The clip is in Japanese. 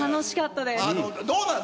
どうなの？